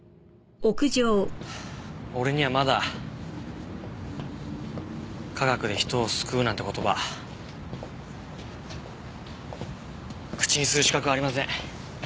俺にはまだ「科学で人を救う」なんて言葉口にする資格ありません。